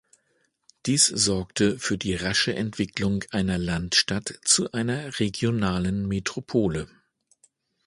Dies sorgte für die rasche Entwicklung einer Landstadt zu einer regionalen Metropole.